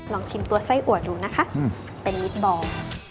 ลองชิมตัวไส้อัวดูนะคะเป็นลิสบอล